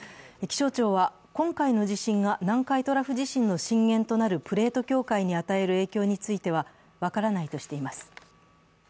気象庁は、今回の地震が南海トラフ地震の震源となるプレート境界に与える影響については分からないとしています。